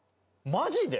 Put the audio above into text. マジで？